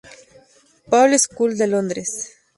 Paul's School de Londres.